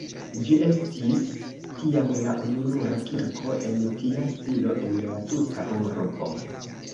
Ĝi estis tiam la ununura kirko en tia stilo en la tuta urbo.